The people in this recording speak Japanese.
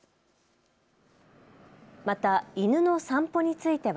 また犬の散歩については。